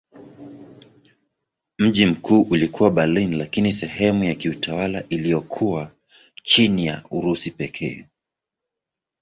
Mji mkuu ulikuwa Berlin lakini sehemu ya kiutawala iliyokuwa chini ya Urusi pekee.